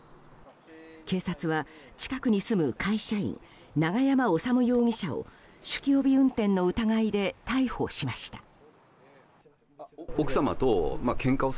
警察は近くに住む会社員永山修容疑者を酒気帯び運転の疑いで逮捕しました。